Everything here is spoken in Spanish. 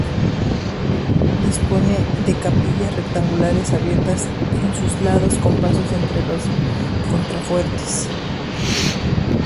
Dispone de capillas rectangulares abiertas en sus lados, con pasos entre los contrafuertes.